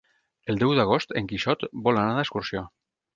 El deu d'agost en Quixot vol anar d'excursió.